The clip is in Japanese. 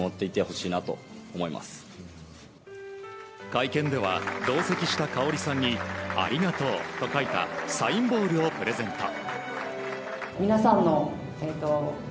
会見では、同席した香さんにありがとうと書いたサインボールをプレゼント。